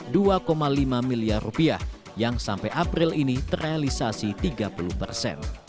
dan menargetkan dua lima miliar rupiah yang sampai april ini terrealisasi tiga puluh persen